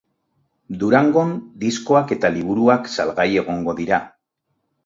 Durangon diskoak eta liburuak salgai egongo dira.